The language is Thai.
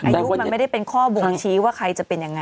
อายุมันไม่ได้เป็นข้อบ่งชี้ว่าใครจะเป็นยังไง